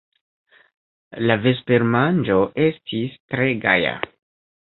La vespermanĝo estis tre gaja.